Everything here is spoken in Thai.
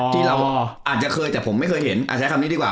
ที่เราอาจจะเคยแต่ผมไม่เคยเห็นใช้คำนี้ดีกว่า